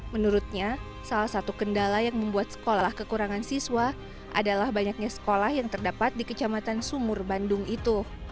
menurutnya salah satu kendala yang membuat sekolah kekurangan siswa adalah banyaknya sekolah yang terdapat di kecamatan sumur bandung itu